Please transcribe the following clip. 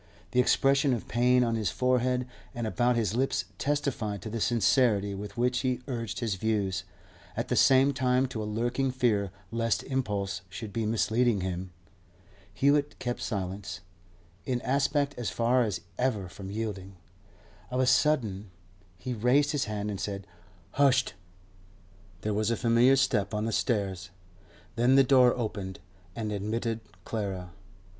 The expression of pain on his forehead and about his lips testified to the sincerity with which he urged his views, at the same time to a lurking fear lest impulse should be misleading him. Hewett kept silence, in aspect as far as ever from yielding. Of a sudden he raised his hand, and said, 'Husht!' There was a familiar step on the stairs. Then the door opened and admitted Clara.